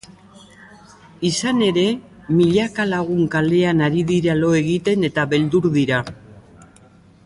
Izan ere, milaka lagun kalean ari dira lo egiten eta beldur dira.